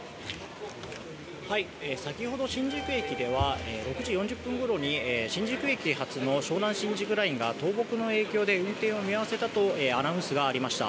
先ほど、新宿駅では６時４０分ごろに新宿駅発の湘南新宿ラインが倒木の影響で運転を見合わせたとアナウンスがありました。